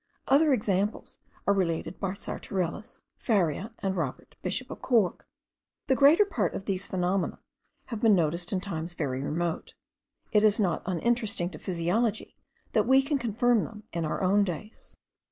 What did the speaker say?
Other examples are related by Santorellus, Faria, and Robert, bishop of Cork. The greater part of these phenomena having been noticed in times very remote, it is not uninteresting to physiology, that we can confirm them in our own days.